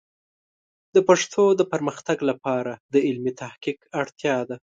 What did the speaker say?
د پښتو د پرمختګ لپاره د علمي تحقیق اړتیا ده.